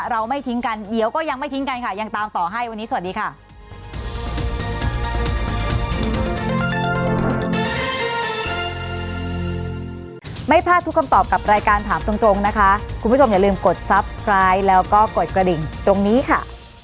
เราไม่ทิ้งกันเดี๋ยวก็ยังไม่ทิ้งกันค่ะยังตามต่อให้วันนี้สวัสดีค่ะ